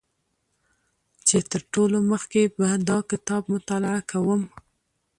چې تر ټولو مخکې به دا کتاب مطالعه کوم